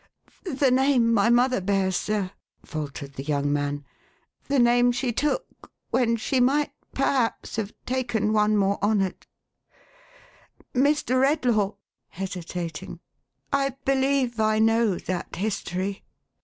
" The name my mother bears, sir,11 faltered the young man, "the name she took, when she might, perhaps, have taken one more honoured. Mr. Redlaw,11 hesitating, "I believe I know that history.